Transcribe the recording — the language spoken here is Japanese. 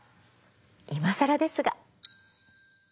いまさらですが。